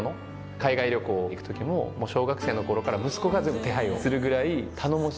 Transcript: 海外旅行行く時も小学生の頃から息子が全部手配をするぐらい頼もしい。